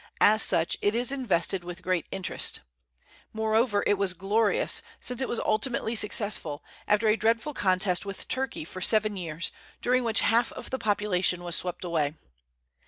As such, it is invested with great interest. Moreover, it was glorious, since it was ultimately successful, after a dreadful contest with Turkey for seven years, during which half of the population was swept away.